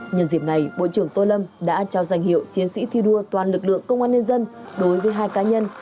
nhân dịp này bộ trưởng tô lâm đã trao danh hiệu chiến sĩ thi đua toàn lực lượng công an nhân dân đối với hai cá nhân